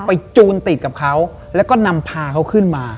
จูนติดกับเขาแล้วก็นำพาเขาขึ้นมา